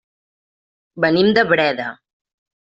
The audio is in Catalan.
Venim de Breda.